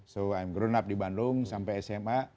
so i'm grown up di bandung sampai sma